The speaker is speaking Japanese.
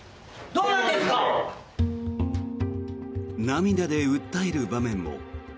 涙で訴える場面も。